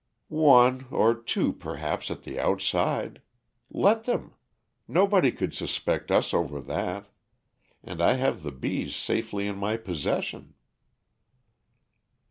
"One, or two perhaps at the outside. Let them. Nobody could suspect us over that. And I have the bees safely in my possession."